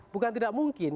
bukan tidak mungkin